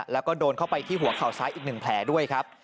แล้วก็โดนเข้าไปที่หัวเข่าซ้ายอีก๑แผลด้วยครับ